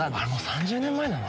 ３０年前なの？